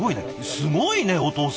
すごいねお父さん！